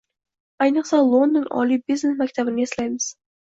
Ayniqsa, London oliy biznes maktabini eslaymiz